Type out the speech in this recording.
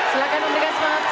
silakan mereka semangat